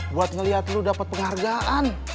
buat ngeliat lu dapet penghargaan